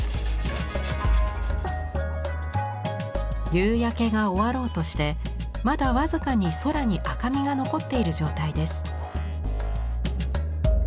夕焼けが終わろうとしてまだ僅かに空に赤みが残っている状態です。